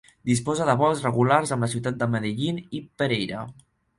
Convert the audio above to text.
Disposa de vols regulars amb les ciutats de Medellín i Pereira.